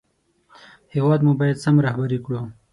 هېواد مو باید سم رهبري کړو